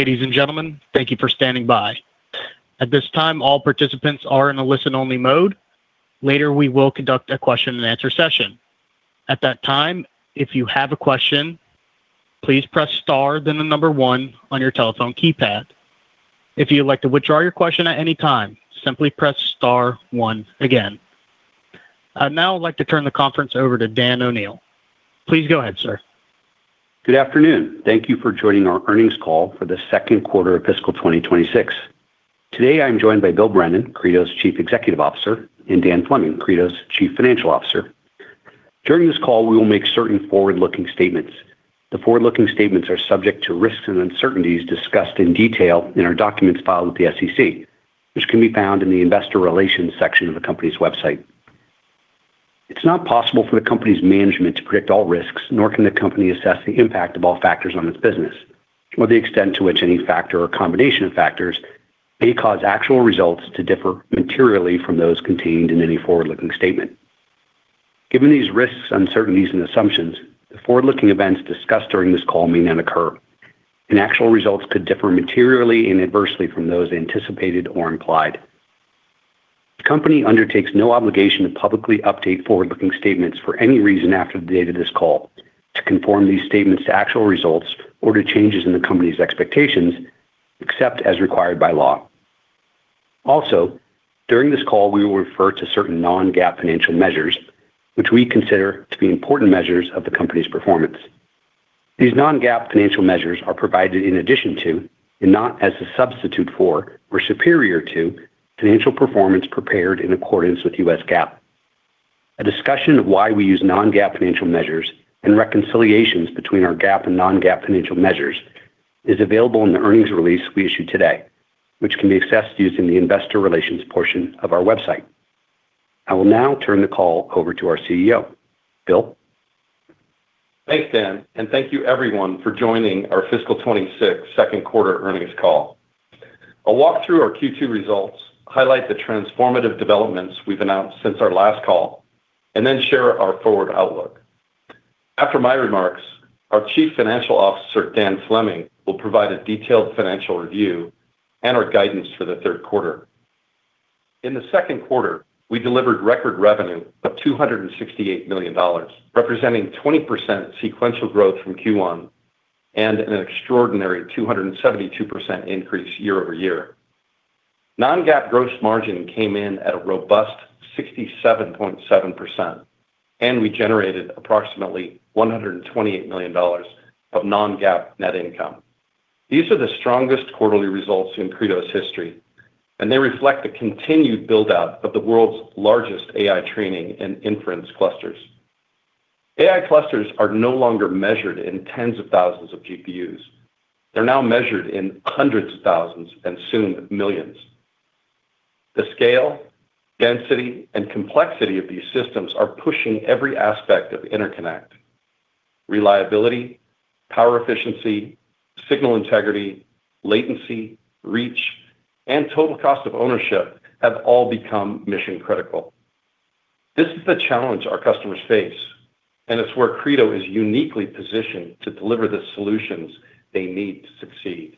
Ladies and gentlemen, thank you for standing by. At this time, all participants are in a listen-only mode. Later, we will conduct a question-and-answer session. At that time, if you have a question, please press star, then the number one on your telephone keypad. If you'd like to withdraw your question at any time, simply press star one again. I'd now like to turn the conference over to Dan O'Neil. Please go ahead, sir. Good afternoon. Thank you for joining our earnings call for the second quarter of fiscal 2026. Today, I am joined by Bill Brennan, Credo's Chief Executive Officer, and Dan Fleming, Credo's Chief Financial Officer. During this call, we will make certain forward-looking statements. The forward-looking statements are subject to risks and uncertainties discussed in detail in our documents filed with the SEC, which can be found in the investor relations section of the company's website. It's not possible for the company's management to predict all risks, nor can the company assess the impact of all factors on its business, or the extent to which any factor or combination of factors may cause actual results to differ materially from those contained in any forward-looking statement. Given these risks, uncertainties, and assumptions, the forward-looking events discussed during this call may not occur, and actual results could differ materially and adversely from those anticipated or implied. The company undertakes no obligation to publicly update forward-looking statements for any reason after the date of this call to conform these statements to actual results or to changes in the company's expectations, except as required by law. Also, during this call, we will refer to certain non-GAAP financial measures, which we consider to be important measures of the company's performance. These non-GAAP financial measures are provided in addition to, and not as a substitute for, or superior to, financial performance prepared in accordance with US GAAP. A discussion of why we use non-GAAP financial measures and reconciliations between our GAAP and non-GAAP financial measures is available in the earnings release we issue today, which can be accessed using the investor relations portion of our website. I will now turn the call over to our CEO, Bill. Thanks, Dan, and thank you, everyone, for joining our fiscal 2026 second quarter earnings call. I'll walk through our Q2 results, highlight the transformative developments we've announced since our last call, and then share our forward outlook. After my remarks, our Chief Financial Officer, Dan Fleming, will provide a detailed financial review and our guidance for the third quarter. In the second quarter, we delivered record revenue of $268 million, representing 20% sequential growth from Q1 and an extraordinary 272% increase year over year. Non-GAAP gross margin came in at a robust 67.7%, and we generated approximately $128 million of non-GAAP net income. These are the strongest quarterly results in Credo's history, and they reflect the continued build-out of the world's largest AI training and inference clusters. AI clusters are no longer measured in tens of thousands of GPUs. They're now measured in hundreds of thousands and soon millions. The scale, density, and complexity of these systems are pushing every aspect of interconnect. Reliability, power efficiency, signal integrity, latency, reach, and total cost of ownership have all become mission-critical. This is the challenge our customers face, and it's where Credo is uniquely positioned to deliver the solutions they need to succeed.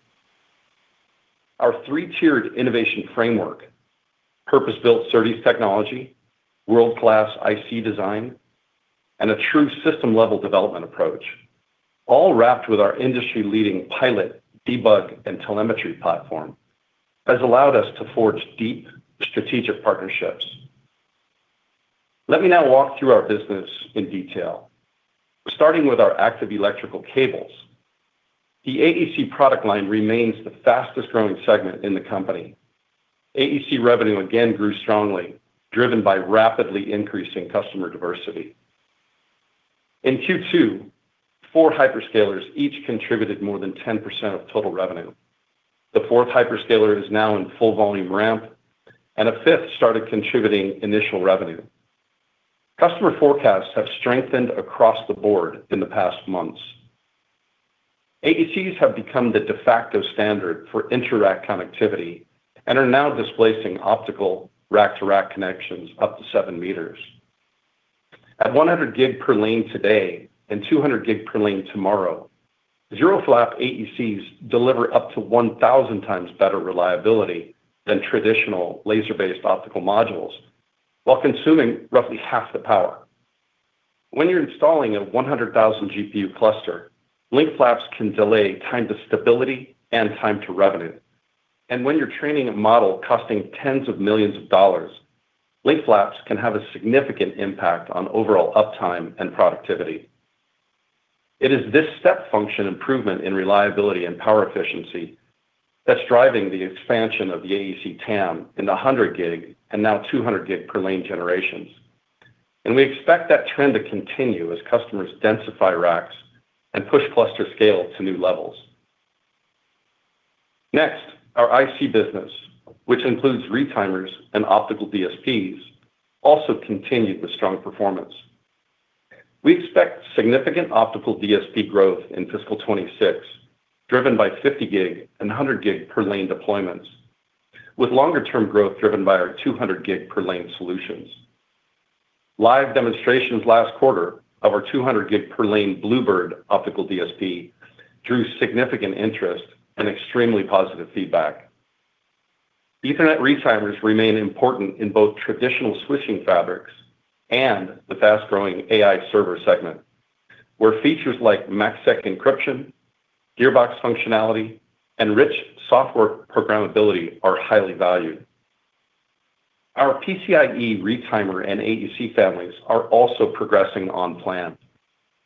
Our three-tiered innovation framework, purpose-built CertiS technology, world-class IC design, and a true system-level development approach, all wrapped with our industry-leading pilot, debug, and telemetry platform, has allowed us to forge deep strategic partnerships. Let me now walk through our business in detail, starting with our active electrical cables. The AEC product line remains the fastest-growing segment in the company. AEC revenue again grew strongly, driven by rapidly increasing customer diversity. In Q2, four hyperscalers each contributed more than 10% of total revenue. The fourth hyperscaler is now in full volume ramp, and a fifth started contributing initial revenue. Customer forecasts have strengthened across the board in the past months. AECs have become the de facto standard for inter-rack connectivity and are now displacing optical rack-to-rack connections up to 7 meters. At 100 gig per lane today and 200 gig per lane tomorrow, zero-flap AECs deliver up to 1,000 times better reliability than traditional laser-based optical modules, while consuming roughly half the power. When you're installing a 100,000 GPU cluster, link flaps can delay time to stability and time to revenue. When you're training a model costing tens of millions of dollars, link flaps can have a significant impact on overall uptime and productivity. It is this step function improvement in reliability and power efficiency that's driving the expansion of the AEC TAM in the 100 gig and now 200 gig per lane generations. We expect that trend to continue as customers densify racks and push cluster scale to new levels. Next, our IC business, which includes retimers and optical DSPs, also continued with strong performance. We expect significant optical DSP growth in fiscal 2026, driven by 50 gig and 100 gig per lane deployments, with longer-term growth driven by our 200 gig per lane solutions. Live demonstrations last quarter of our 200 gig per lane Bluebird optical DSP drew significant interest and extremely positive feedback. Ethernet retimers remain important in both traditional switching fabrics and the fast-growing AI server segment, where features like MACsec encryption, gearbox functionality, and rich software programmability are highly valued. Our PCIe retimer and AEC families are also progressing on plan.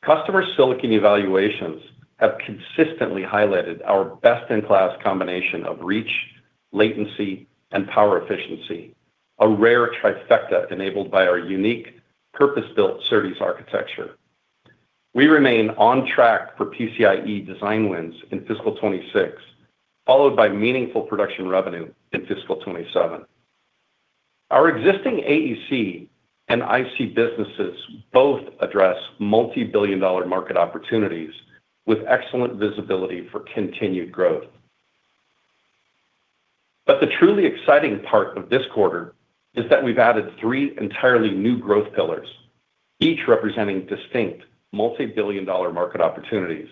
Customer silicon evaluations have consistently highlighted our best-in-class combination of reach, latency, and power efficiency, a rare trifecta enabled by our unique purpose-built CertiS architecture. We remain on track for PCIe design wins in fiscal 2026, followed by meaningful production revenue in fiscal 2027. Our existing AEC and IC businesses both address multi-billion dollar market opportunities with excellent visibility for continued growth. The truly exciting part of this quarter is that we've added three entirely new growth pillars, each representing distinct multi-billion dollar market opportunities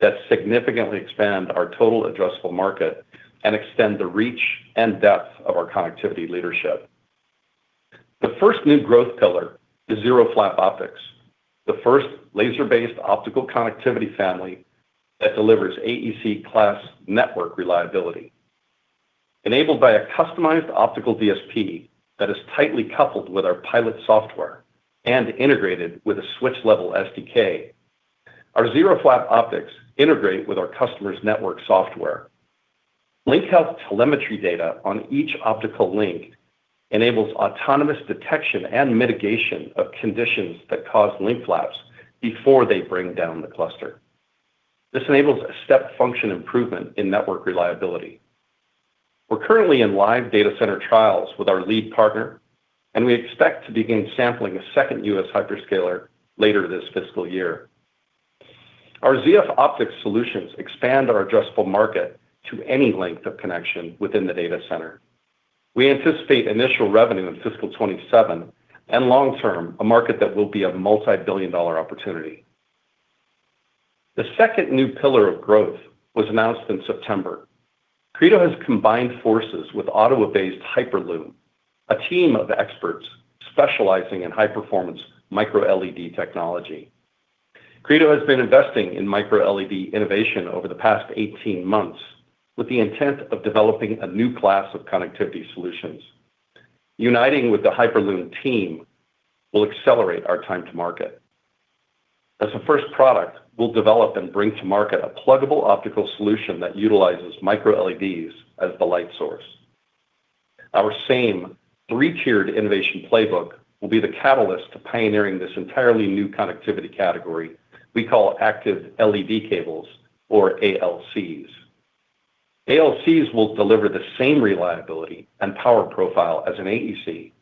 that significantly expand our total addressable market and extend the reach and depth of our connectivity leadership. The first new growth pillar is Zero-flap Optics, the first laser-based optical connectivity family that delivers AEC-class network reliability. Enabled by a customized optical DSP that is tightly coupled with our pilot software and integrated with a switch-level SDK, our zero-flap optics integrate with our customer's network software. Link health telemetry data on each optical link enables autonomous detection and mitigation of conditions that cause link flaps before they bring down the cluster. This enables a step function improvement in network reliability. We're currently in live data center trials with our lead partner, and we expect to begin sampling a second US hyperscaler later this fiscal year. Our ZF Optics solutions expand our addressable market to any length of connection within the data center. We anticipate initial revenue in fiscal 2027 and long-term a market that will be a multi-billion dollar opportunity. The second new pillar of growth was announced in September. Credo has combined forces with Ottawa-based Hyperloom, a team of experts specializing in high-performance micro-LED technology. Credo has been investing in micro-LED innovation over the past 18 months with the intent of developing a new class of connectivity solutions. Uniting with the Hyperloom team will accelerate our time to market. As a first product, we'll develop and bring to market a pluggable optical solution that utilizes micro-LEDs as the light source. Our same three-tiered innovation playbook will be the catalyst to pioneering this entirely new connectivity category we call active LED cables, or ALCs. ALCs will deliver the same reliability and power profile as an AEC,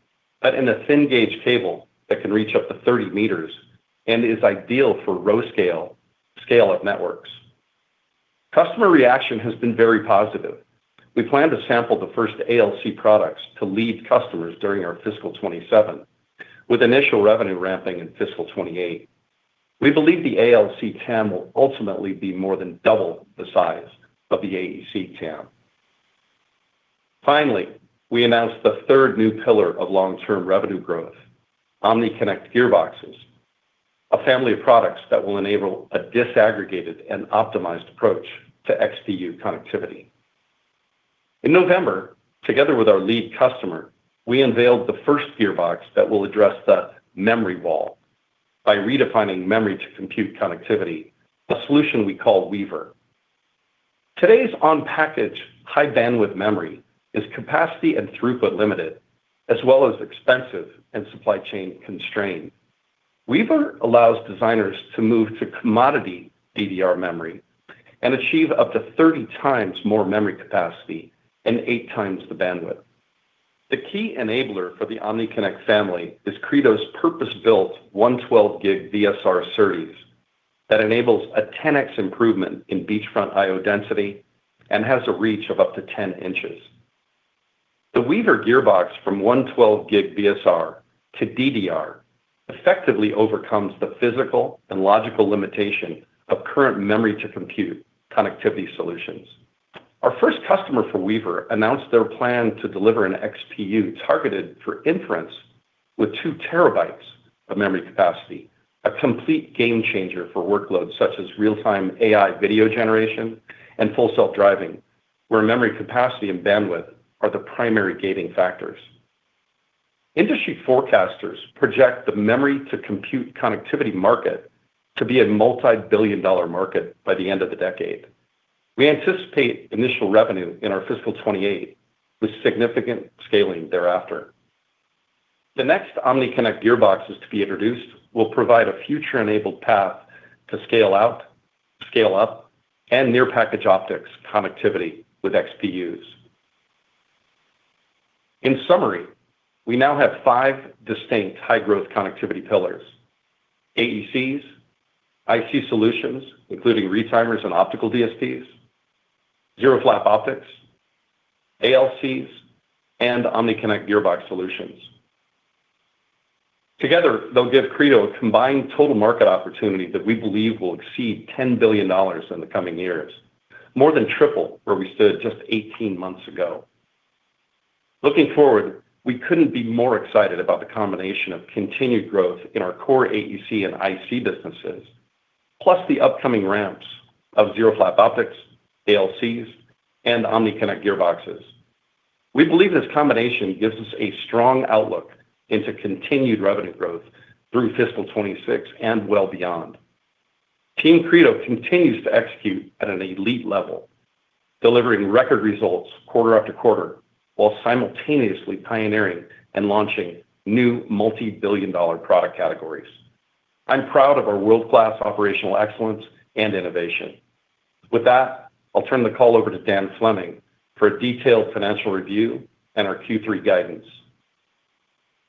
but in a thin gauge cable that can reach up to 30 meters and is ideal for row scale scale-up networks. Customer reaction has been very positive. We plan to sample the first ALC products to lead customers during our fiscal 2027, with initial revenue ramping in fiscal 2028. We believe the ALC TAM will ultimately be more than double the size of the AEC TAM. Finally, we announced the third new pillar of long-term revenue growth, OmniConnect gearboxes, a family of products that will enable a disaggregated and optimized approach to XPU connectivity. In November, together with our lead customer, we unveiled the first gearbox that will address the memory wall by redefining memory-to-compute connectivity, a solution we call Weaver. Today's on-package high bandwidth memory is capacity and throughput limited, as well as expensive and supply chain constrained. Weaver allows designers to move to commodity DDR memory and achieve up to 30 times more memory capacity and eight times the bandwidth. The key enabler for the OmniConnect family is Credo's purpose-built 112 gig VSR CertiS that enables a 10x improvement in beachfront IO density and has a reach of up to 10 inches. The Weaver gearbox from 112 gig VSR to DDR effectively overcomes the physical and logical limitation of current memory-to-compute connectivity solutions. Our first customer for Weaver announced their plan to deliver an XPU targeted for inference with 2 terabytes of memory capacity, a complete game changer for workloads such as real-time AI video generation and full self-driving, where memory capacity and bandwidth are the primary gating factors. Industry forecasters project the memory-to-compute connectivity market to be a multi-billion dollar market by the end of the decade. We anticipate initial revenue in our fiscal 2028 with significant scaling thereafter. The next OmniConnect gearboxes to be introduced will provide a future-enabled path to scale out, scale up, and near-package optics connectivity with XPUs. In summary, we now have five distinct high-growth connectivity pillars: AECs, IC solutions, including retimers and optical DSPs, zero-flap optics, ALCs, and OmniConnect gearbox solutions. Together, they'll give Credo a combined total market opportunity that we believe will exceed $10 billion in the coming years, more than triple where we stood just 18 months ago. Looking forward, we couldn't be more excited about the combination of continued growth in our core AEC and IC businesses, plus the upcoming ramps of Zero-flap Optics, ALCs, and OmniConnect gearboxes. We believe this combination gives us a strong outlook into continued revenue growth through fiscal 2026 and well beyond. Team Credo continues to execute at an elite level, delivering record results quarter after quarter while simultaneously pioneering and launching new multi-billion dollar product categories. I'm proud of our world-class operational excellence and innovation. With that, I'll turn the call over to Dan Fleming for a detailed financial review and our Q3 guidance.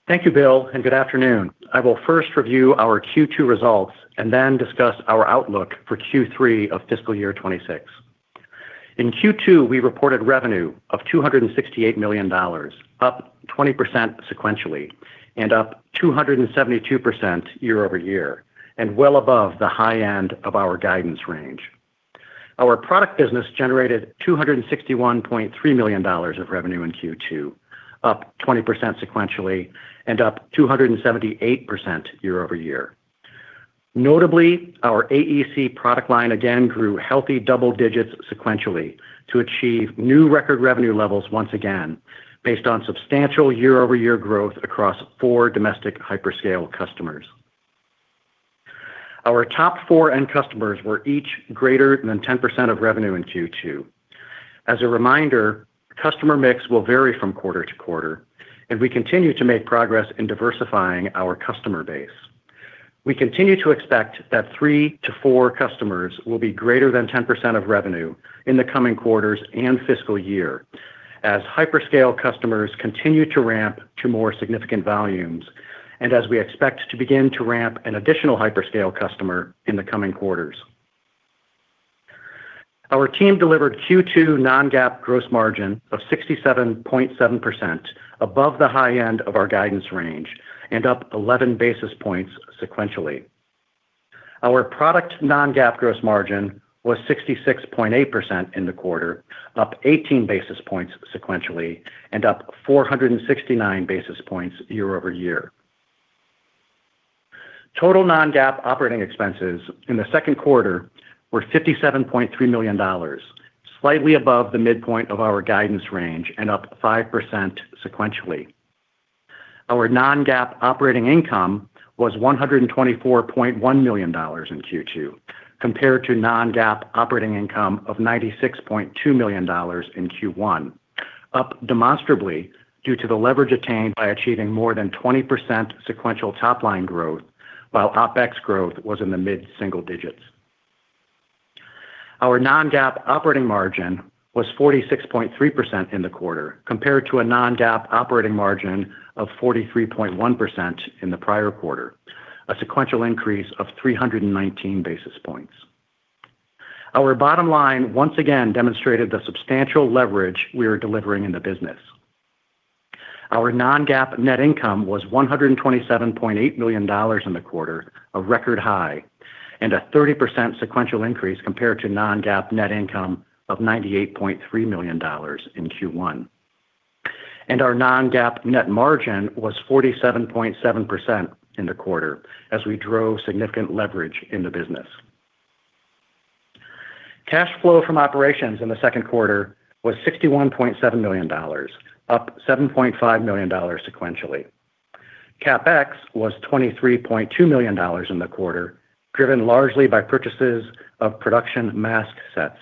Thank you, Bill, and good afternoon. I will first review our Q2 results and then discuss our outlook for Q3 of fiscal year 2026. In Q2, we reported revenue of $268 million, up 20% sequentially and up 272% year over year, and well above the high end of our guidance range. Our product business generated $261.3 million of revenue in Q2, up 20% sequentially and up 278% year over year. Notably, our AEC product line again grew healthy double digits sequentially to achieve new record revenue levels once again, based on substantial year-over-year growth across four domestic hyperscale customers. Our top four end customers were each greater than 10% of revenue in Q2. As a reminder, customer mix will vary from quarter to quarter, and we continue to make progress in diversifying our customer base. We continue to expect that three to four customers will be greater than 10% of revenue in the coming quarters and fiscal year as hyperscale customers continue to ramp to more significant volumes, and as we expect to begin to ramp an additional hyperscale customer in the coming quarters. Our team delivered Q2 non-GAAP gross margin of 67.7% above the high end of our guidance range and up 11 basis points sequentially. Our product non-GAAP gross margin was 66.8% in the quarter, up 18 basis points sequentially, and up 469 basis points year over year. Total non-GAAP operating expenses in the second quarter were $57.3 million, slightly above the midpoint of our guidance range and up 5% sequentially. Our non-GAAP operating income was $124.1 million in Q2, compared to non-GAAP operating income of $96.2 million in Q1, up demonstrably due to the leverage attained by achieving more than 20% sequential top-line growth, while OPEX growth was in the mid-single digits. Our non-GAAP operating margin was 46.3% in the quarter, compared to a non-GAAP operating margin of 43.1% in the prior quarter, a sequential increase of 319 basis points. Our bottom line once again demonstrated the substantial leverage we are delivering in the business. Our non-GAAP net income was $127.8 million in the quarter, a record high, and a 30% sequential increase compared to non-GAAP net income of $98.3 million in Q1. Our non-GAAP net margin was 47.7% in the quarter as we drove significant leverage in the business. Cash flow from operations in the second quarter was $61.7 million, up $7.5 million sequentially. CapEx was $23.2 million in the quarter, driven largely by purchases of production mask sets.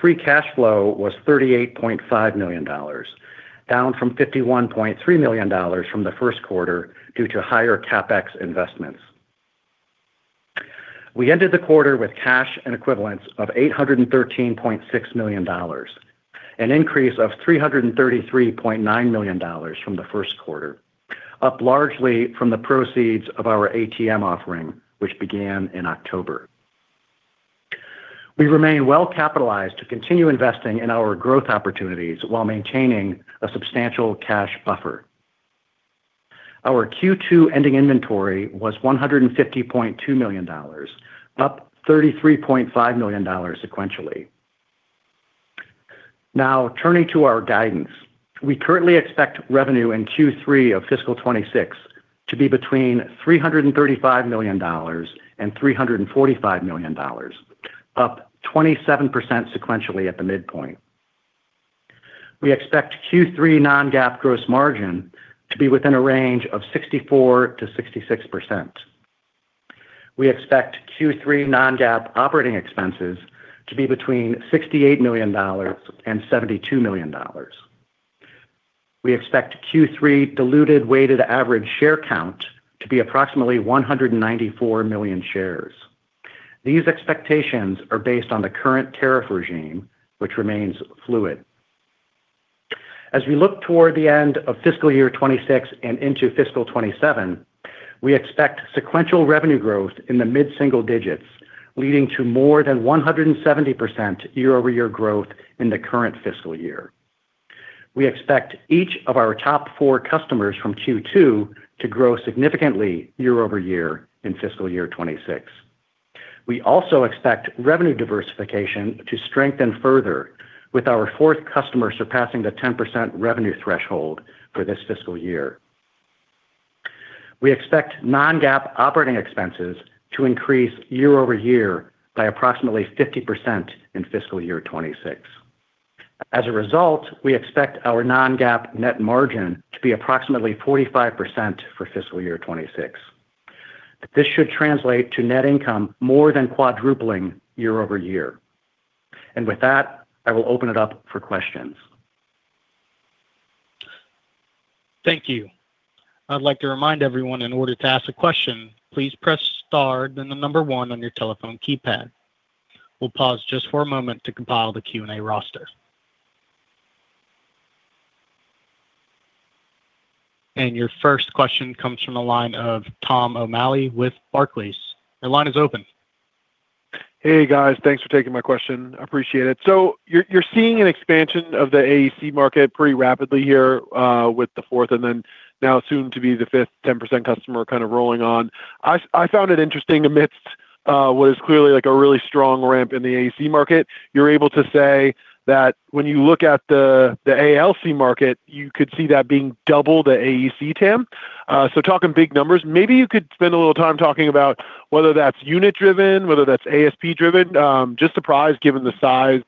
Free cash flow was $38.5 million, down from $51.3 million from the first quarter due to higher CapEx investments. We ended the quarter with cash and equivalents of $813.6 million, an increase of $333.9 million from the first quarter, up largely from the proceeds of our ATM offering, which began in October. We remain well capitalized to continue investing in our growth opportunities while maintaining a substantial cash buffer. Our Q2 ending inventory was $150.2 million, up $33.5 million sequentially. Now, turning to our guidance, we currently expect revenue in Q3 of fiscal 2026 to be between $335 million and $345 million, up 27% sequentially at the midpoint. We expect Q3 non-GAAP gross margin to be within a range of 64%-66%. We expect Q3 non-GAAP operating expenses to be between $68 million and $72 million. We expect Q3 diluted weighted average share count to be approximately 194 million shares. These expectations are based on the current tariff regime, which remains fluid. As we look toward the end of fiscal year 2026 and into fiscal 2027, we expect sequential revenue growth in the mid-single digits, leading to more than 170% year-over-year growth in the current fiscal year. We expect each of our top four customers from Q2 to grow significantly year-over-year in fiscal year 2026. We also expect revenue diversification to strengthen further, with our fourth customer surpassing the 10% revenue threshold for this fiscal year. We expect non-GAAP operating expenses to increase year-over-year by approximately 50% in fiscal year 2026. As a result, we expect our non-GAAP net margin to be approximately 45% for fiscal year 2026. This should translate to net income more than quadrupling year-over-year. With that, I will open it up for questions. Thank you. I'd like to remind everyone, in order to ask a question, please press Star then the number one on your telephone keypad. We'll pause just for a moment to compile the Q&A roster. Your first question comes from the line of Tom O'Malley with Barclays. The line is open. Hey, guys. Thanks for taking my question. Appreciate it. You're seeing an expansion of the AEC market pretty rapidly here with the fourth and now soon to be the fifth 10% customer kind of rolling on. I found it interesting amidst what is clearly like a really strong ramp in the AEC market. You're able to say that when you look at the ALC market, you could see that being double the AEC TAM. Talking big numbers, maybe you could spend a little time talking about whether that's unit-driven, whether that's ASP-driven, just surprised given the size,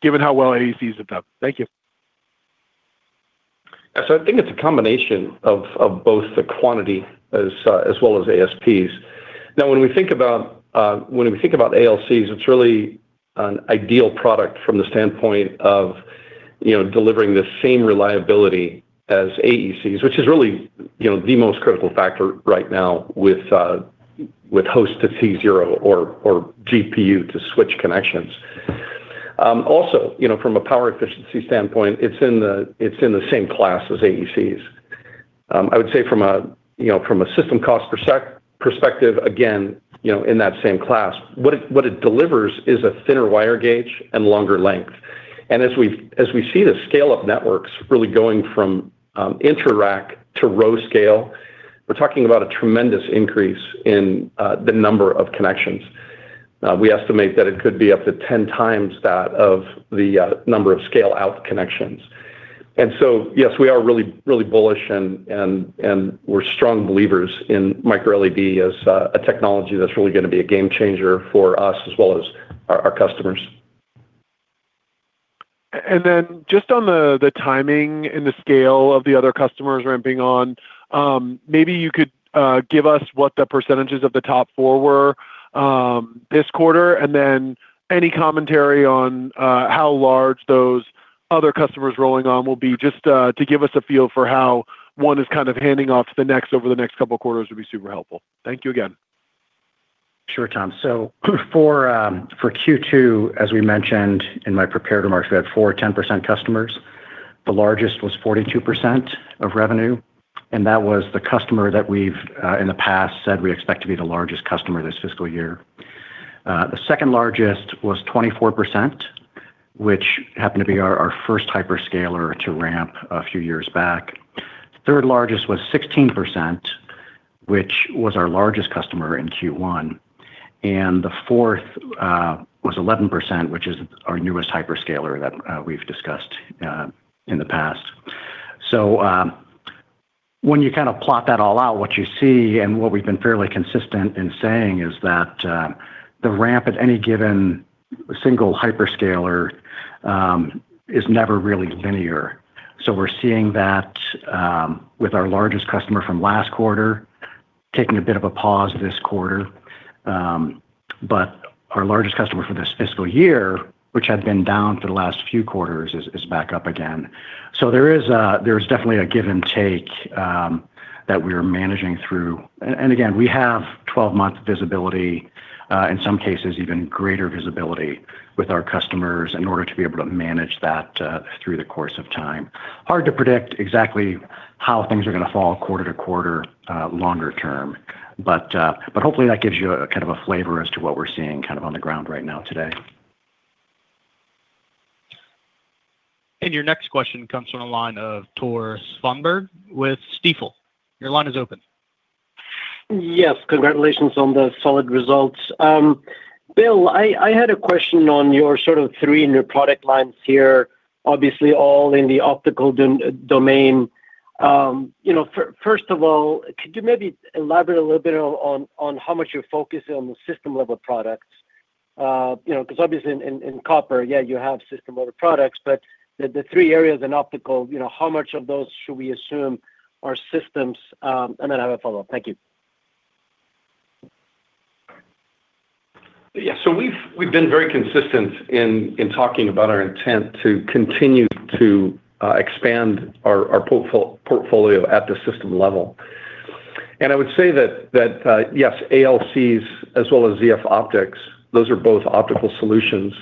given how well AECs have done. Thank you. I think it's a combination of both the quantity as well as ASPs. Now, when we think about ALCs, it's really an ideal product from the standpoint of delivering the same reliability as AECs, which is really the most critical factor right now with host to T0 or GPU to switch connections. Also, from a power efficiency standpoint, it's in the same class as AECs. I would say from a system cost perspective, again, in that same class, what it delivers is a thinner wire gauge and longer length. As we see the scale of networks really going from inter-rack to row scale, we're talking about a tremendous increase in the number of connections. We estimate that it could be up to 10 times that of the number of scale-out connections. Yes, we are really bullish and we're strong believers in micro-LED as a technology that's really going to be a game changer for us as well as our customers. Just on the timing and the scale of the other customers ramping on, maybe you could give us what the percentages of the top four were this quarter, and then any commentary on how large those other customers rolling on will be just to give us a feel for how one is kind of handing off to the next over the next couple of quarters would be super helpful. Thank you again. Sure, Tom. For Q2, as we mentioned in my prepared remarks, we had four 10% customers. The largest was 42% of revenue, and that was the customer that we've in the past said we expect to be the largest customer this fiscal year. The second largest was 24%, which happened to be our first hyperscaler to ramp a few years back. Third largest was 16%, which was our largest customer in Q1. The fourth was 11%, which is our newest hyperscaler that we've discussed in the past. When you kind of plot that all out, what you see and what we've been fairly consistent in saying is that the ramp at any given single hyperscaler is never really linear. We're seeing that with our largest customer from last quarter taking a bit of a pause this quarter, but our largest customer for this fiscal year, which had been down for the last few quarters, is back up again. There is definitely a give and take that we are managing through. Again, we have 12-month visibility, in some cases even greater visibility with our customers in order to be able to manage that through the course of time. Hard to predict exactly how things are going to fall quarter to quarter longer term, but hopefully that gives you a kind of a flavor as to what we're seeing kind of on the ground right now today. Your next question comes from the line of Tor Swinburne with Stifel. Your line is open. Yes. Congratulations on the solid results. Bill, I had a question on your sort of three new product lines here, obviously all in the optical domain. First of all, could you maybe elaborate a little bit on how much you're focusing on the system-level products? Because obviously in copper, yeah, you have system-level products, but the three areas in optical, how much of those should we assume are systems? I have a follow-up. Thank you. Yeah. We have been very consistent in talking about our intent to continue to expand our portfolio at the system level. I would say that, yes, ALCs as well as ZF optics, those are both optical solutions,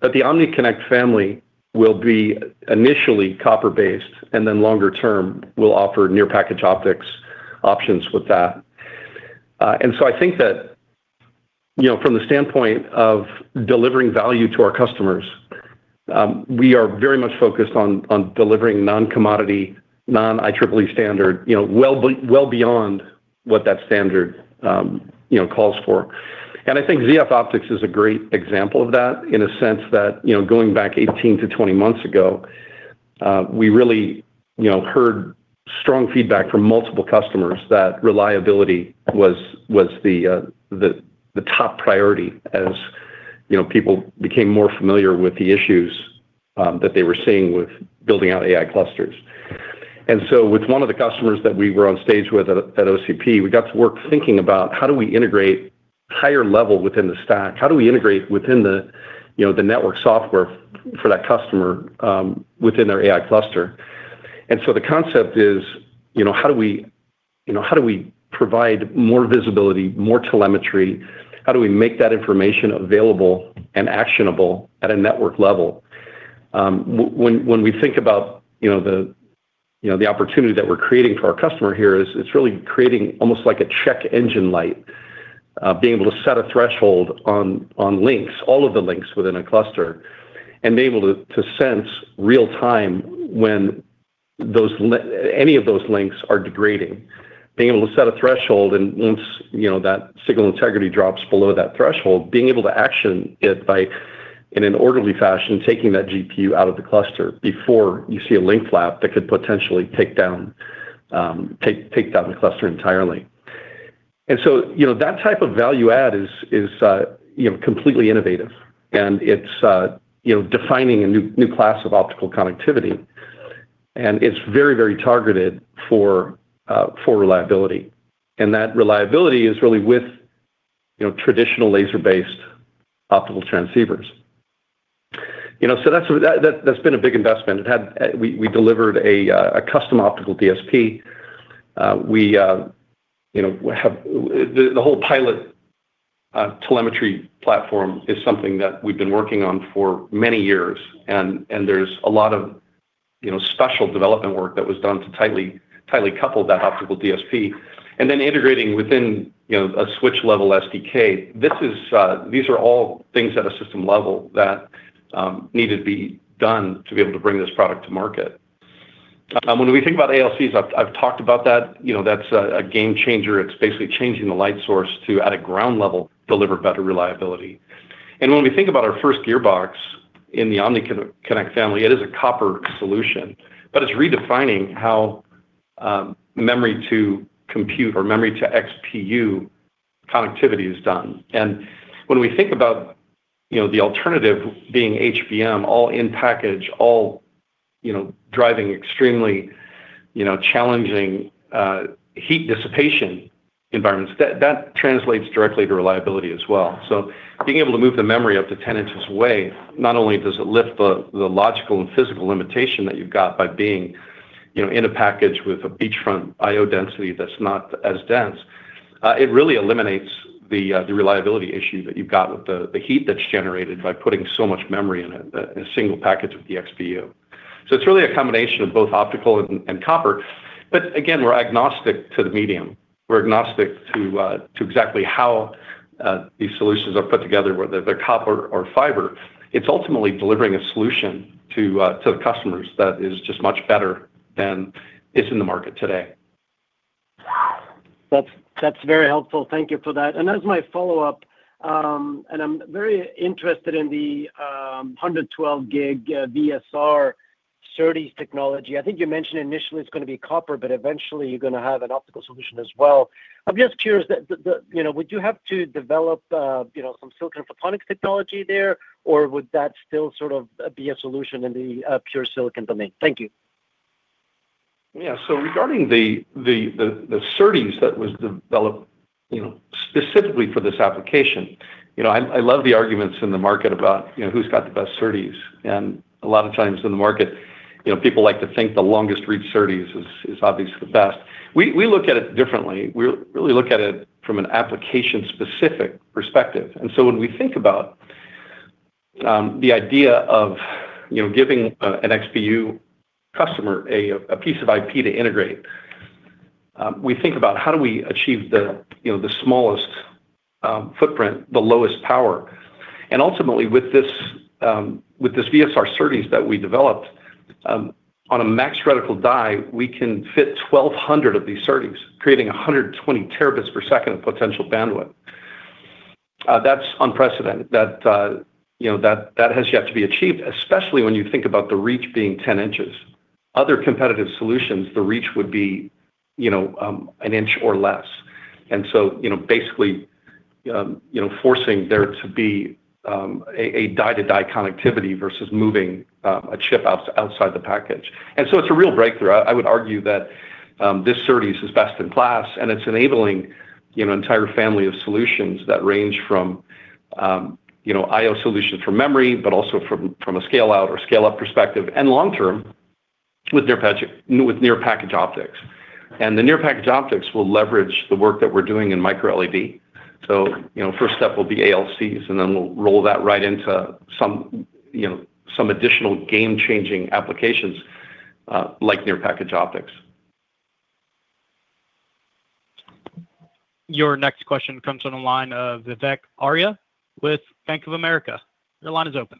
but the OmniConnect family will be initially copper-based and then longer term will offer near-package optics options with that. I think that from the standpoint of delivering value to our customers, we are very much focused on delivering non-commodity, non-IEEE standard, well beyond what that standard calls for. I think ZF Optics is a great example of that in a sense that going back 18 to 20 months ago, we really heard strong feedback from multiple customers that reliability was the top priority as people became more familiar with the issues that they were seeing with building out AI clusters. With one of the customers that we were on stage with at OCP, we got to work thinking about how do we integrate higher level within the stack? How do we integrate within the network software for that customer within their AI cluster? The concept is, how do we provide more visibility, more telemetry? How do we make that information available and actionable at a network level? When we think about the opportunity that we're creating for our customer here, it's really creating almost like a check engine light, being able to set a threshold on links, all of the links within a cluster, and be able to sense real-time when any of those links are degrading, being able to set a threshold, and once that signal integrity drops below that threshold, being able to action it in an orderly fashion, taking that GPU out of the cluster before you see a link flap that could potentially take down the cluster entirely. That type of value add is completely innovative, and it's defining a new class of optical connectivity, and it's very, very targeted for reliability. That reliability is really with traditional laser-based optical transceivers. That's been a big investment. We delivered a custom optical DSP. The whole pilot telemetry platform is something that we've been working on for many years, and there's a lot of special development work that was done to tightly couple that optical DSP. Then integrating within a switch-level SDK, these are all things at a system level that needed to be done to be able to bring this product to market. When we think about ALCs, I've talked about that. That's a game changer. It's basically changing the light source to, at a ground level, deliver better reliability. When we think about our first gearbox in the OmniConnect family, it is a copper solution, but it's redefining how memory-to-compute or memory-to-XPU connectivity is done. When we think about the alternative being HBM, all in package, all driving extremely challenging heat dissipation environments, that translates directly to reliability as well. Being able to move the memory up to 10 inches away not only does it lift the logical and physical limitation that you've got by being in a package with a beachfront IO density that's not as dense, it really eliminates the reliability issue that you've got with the heat that's generated by putting so much memory in a single package of the XPU. It is really a combination of both optical and copper, but again, we're agnostic to the medium. We're agnostic to exactly how these solutions are put together, whether they're copper or fiber. It's ultimately delivering a solution to the customers that is just much better than what's in the market today. That's very helpful. Thank you for that. As my follow-up, I'm very interested in the 112-gig VSR CertiS technology. I think you mentioned initially it's going to be copper, but eventually you're going to have an optical solution as well. I'm just curious, would you have to develop some silicon photonics technology there, or would that still sort of be a solution in the pure silicon domain? Thank you. Yeah. Regarding the CertiS that was developed specifically for this application, I love the arguments in the market about who's got the best CertiS. A lot of times in the market, people like to think the longest-reach CertiS is obviously the best. We look at it differently. We really look at it from an application-specific perspective. When we think about the idea of giving an XPU customer a piece of IP to integrate, we think about how do we achieve the smallest footprint, the lowest power. Ultimately, with this VSR CertiS that we developed, on a max reticle die, we can fit 1,200 of these CertiS, creating 120 terabits per second of potential bandwidth. That's unprecedented. That has yet to be achieved, especially when you think about the reach being 10 inches. Other competitive solutions, the reach would be an inch or less, basically forcing there to be a die-to-die connectivity versus moving a chip outside the package. It's a real breakthrough. I would argue that this CertiS is best in class, and it's enabling an entire family of solutions that range from IO solutions for memory, but also from a scale-out or scale-up perspective and long-term with near-package optics. The near-package optics will leverage the work that we're doing in micro-LED. First step will be ALCs, and then we'll roll that right into some additional game-changing applications like near-package optics. Your next question comes from the line of Vivek Arya with Bank of America. Your line is open.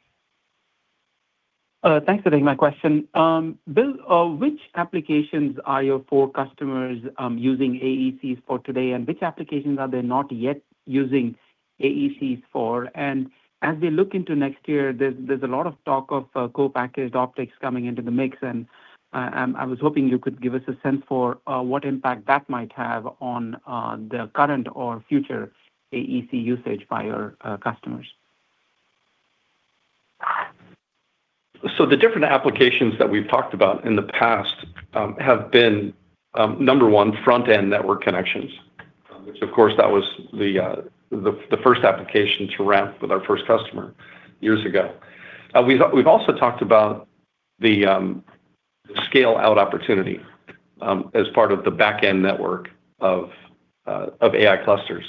Thanks for taking my question. Bill, which applications are your core customers using AECs for today, and which applications are they not yet using AECs for? As we look into next year, there's a lot of talk of co-packaged optics coming into the mix, and I was hoping you could give us a sense for what impact that might have on the current or future AEC usage by your customers. The different applications that we've talked about in the past have been, number one, front-end network connections, which of course that was the first application to ramp with our first customer years ago. We've also talked about the scale-out opportunity as part of the back-end network of AI clusters.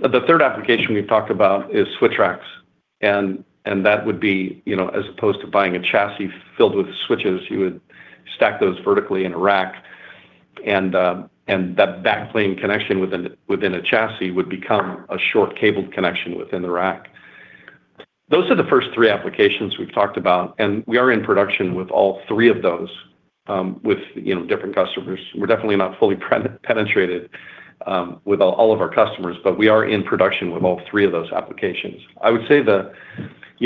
The third application we've talked about is switch racks, and that would be, as opposed to buying a chassis filled with switches, you would stack those vertically in a rack, and that backplane connection within a chassis would become a short-cabled connection within the rack. Those are the first three applications we've talked about, and we are in production with all three of those with different customers. We're definitely not fully penetrated with all of our customers, but we are in production with all three of those applications. I would say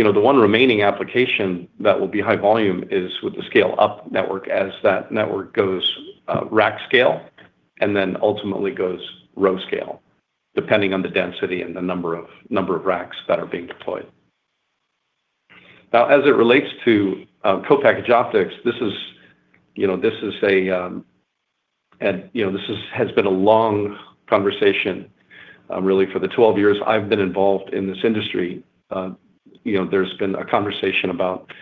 the one remaining application that will be high volume is with the scale-up network as that network goes rack scale and then ultimately goes row scale, depending on the density and the number of racks that are being deployed. Now, as it relates to co-package optics, this has been a long conversation, really, for the 12 years I've been involved in this industry. There's been a conversation about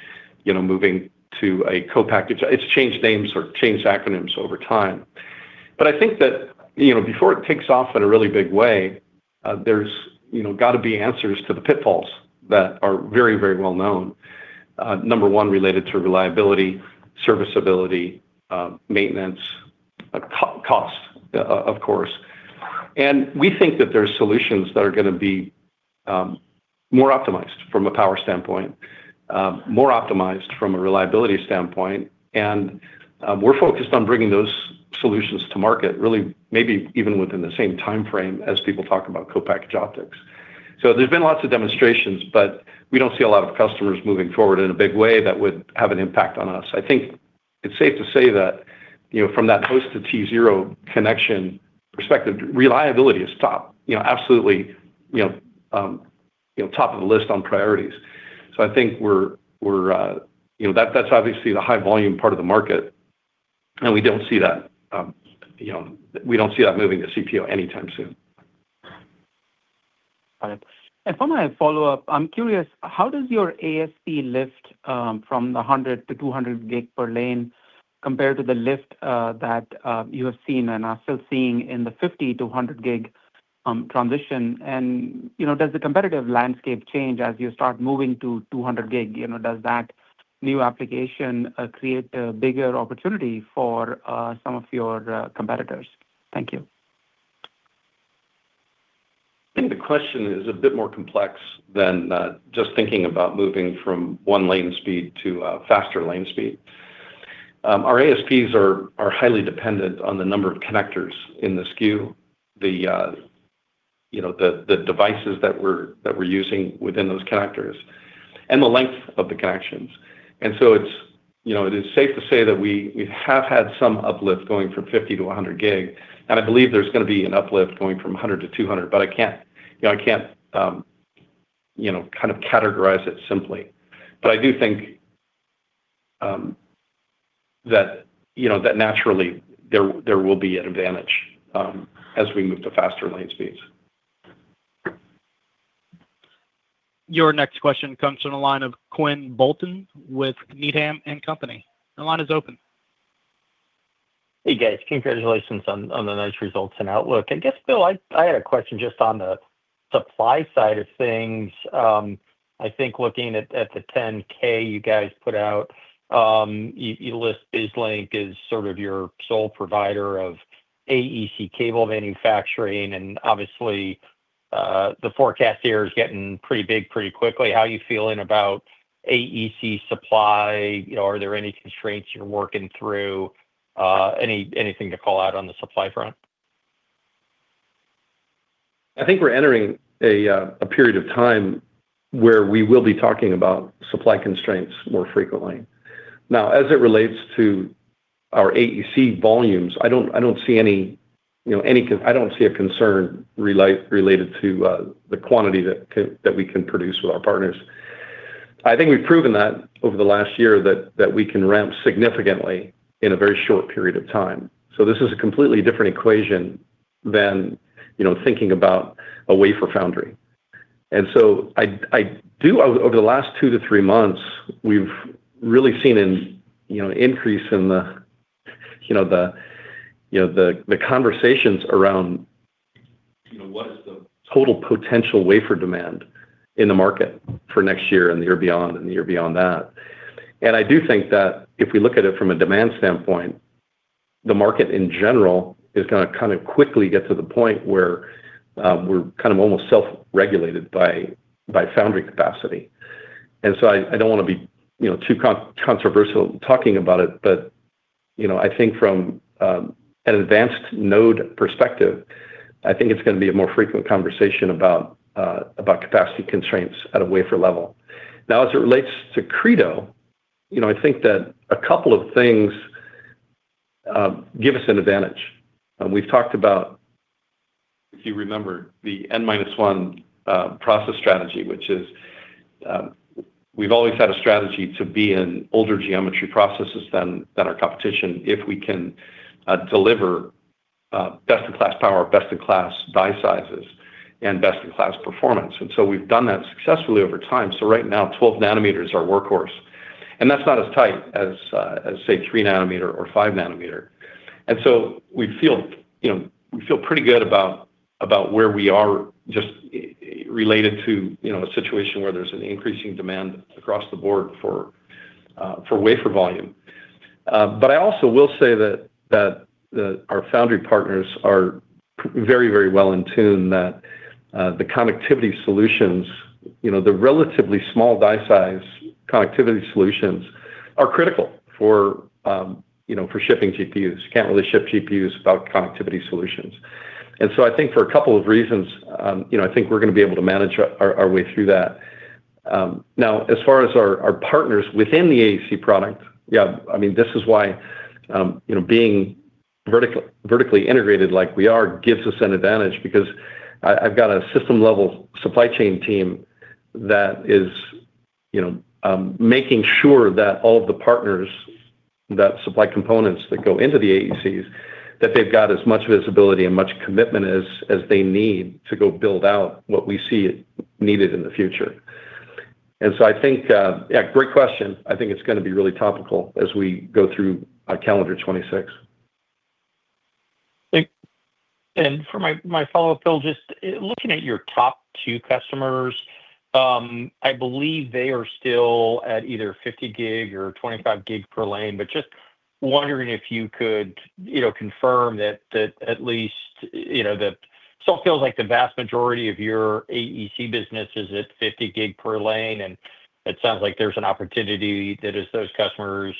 moving to a co-package. It's changed names or changed acronyms over time. I think that before it takes off in a really big way, there's got to be answers to the pitfalls that are very, very well known. Number one, related to reliability, serviceability, maintenance, cost, of course. We think that there are solutions that are going to be more optimized from a power standpoint, more optimized from a reliability standpoint, and we're focused on bringing those solutions to market, really maybe even within the same timeframe as people talk about co-package optics. There have been lots of demonstrations, but we do not see a lot of customers moving forward in a big way that would have an impact on us. I think it is safe to say that from that host-to-T0 connection perspective, reliability is absolutely top of the list on priorities. I think that is obviously the high-volume part of the market, and we do not see that. We do not see that moving to CPO anytime soon. Got it. For my follow-up, I am curious, how does your ASP lift from the 100 to 200 gig per lane compare to the lift that you have seen and are still seeing in the 50 to 100 gig transition? Does the competitive landscape change as you start moving to 200 gig? Does that new application create a bigger opportunity for some of your competitors? Thank you. I think the question is a bit more complex than just thinking about moving from one lane speed to faster lane speed. Our ASPs are highly dependent on the number of connectors in the SKU, the devices that we're using within those connectors, and the length of the connections. It is safe to say that we have had some uplift going from 50 to 100 gig, and I believe there's going to be an uplift going from 100 to 200, but I can't kind of categorize it simply. I do think that naturally there will be an advantage as we move to faster lane speeds. Your next question comes from the line of Quinn Bolton with Needham and Company. The line is open. Hey, guys. Congratulations on the nice results and outlook. I guess, Bill, I had a question just on the supply side of things. I think looking at the 10K you guys put out, you list BizLink as sort of your sole provider of AEC cable manufacturing, and obviously the forecast here is getting pretty big pretty quickly. How are you feeling about AEC supply? Are there any constraints you're working through? Anything to call out on the supply front? I think we're entering a period of time where we will be talking about supply constraints more frequently. Now, as it relates to our AEC volumes, I don't see any—I don't see a concern related to the quantity that we can produce with our partners. I think we've proven that over the last year that we can ramp significantly in a very short period of time. This is a completely different equation than thinking about a wafer foundry. Over the last two to three months, we've really seen an increase in the conversations around what is the total potential wafer demand in the market for next year and the year beyond and the year beyond that. I do think that if we look at it from a demand standpoint, the market in general is going to kind of quickly get to the point where we're kind of almost self-regulated by foundry capacity. I don't want to be too controversial talking about it, but I think from an advanced node perspective, I think it's going to be a more frequent conversation about capacity constraints at a wafer level. Now, as it relates to Credo, I think that a couple of things give us an advantage. We've talked about, if you remember, the N minus one process strategy, which is we've always had a strategy to be in older geometry processes than our competition if we can deliver best-in-class power, best-in-class die sizes, and best-in-class performance. We've done that successfully over time. Right now, 12 nanometers are workhorse, and that's not as tight as, say, 3 nanometer or 5 nanometer. We feel pretty good about where we are just related to a situation where there's an increasing demand across the board for wafer volume. I also will say that our foundry partners are very, very well in tune that the connectivity solutions, the relatively small die size connectivity solutions, are critical for shipping GPUs. You can't really ship GPUs without connectivity solutions. I think for a couple of reasons, I think we're going to be able to manage our way through that. Now, as far as our partners within the AEC product, yeah, I mean, this is why being vertically integrated like we are gives us an advantage because I've got a system-level supply chain team that is making sure that all of the partners that supply components that go into the AECs, that they've got as much visibility and much commitment as they need to go build out what we see needed in the future. I think, yeah, great question. I think it's going to be really topical as we go through our calendar 2026. For my follow-up, Bill, just looking at your top two customers, I believe they are still at either 50 gig or 25 gig per lane, but just wondering if you could confirm that at least that still feels like the vast majority of your AEC business is at 50 gig per lane, and it sounds like there's an opportunity that as those customers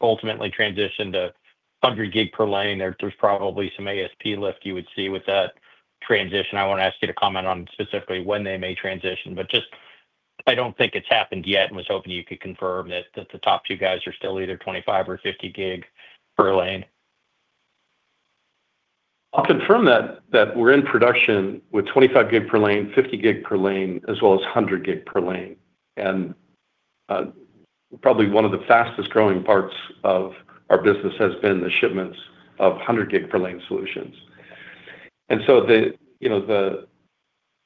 ultimately transition to 100 gig per lane, there's probably some ASP lift you would see with that transition. I won't ask you to comment on specifically when they may transition, but just I don't think it's happened yet and was hoping you could confirm that the top two guys are still either 25 or 50 gig per lane. I'll confirm that we're in production with 25 gig per lane, 50 gig per lane, as well as 100 gig per lane. Probably one of the fastest growing parts of our business has been the shipments of 100 gig per lane solutions.